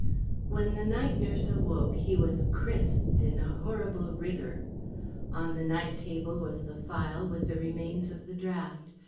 When the night nurse awoke he was crisped in a horrible rigor. On the night table was the phial with the remains of the draught.